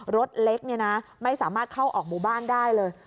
รถเล็กไม่สามารถเข้าออกหมู่บ้านได้เลย